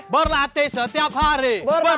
berlatih setiap hari